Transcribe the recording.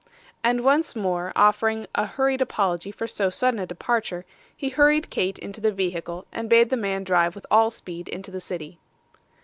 And once more offering a hurried apology for so sudden a departure, he hurried Kate into the vehicle, and bade the man drive with all speed into the city.